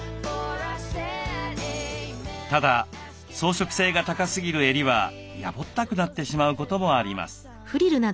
ただ装飾性が高すぎる襟はやぼったくなってしまうこともあります。